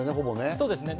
そうですね。